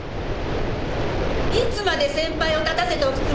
いつまで先輩を立たせておくつもり？